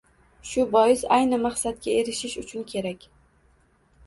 Shu bois, ayni maqsadga erishish uchun kerak